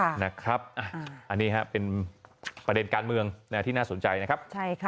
อันนี้เป็นประเด็นการเมืองที่น่าสนใจนะครับ